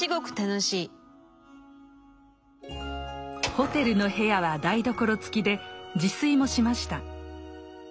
ホテルの部屋は台所付きで自炊もしました。